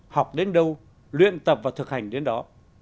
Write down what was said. học đến đâu luyện tập và thực hành đến đó